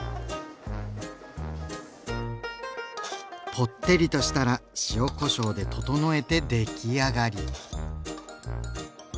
ぽってりとしたら塩・こしょうで調えて出来上がり。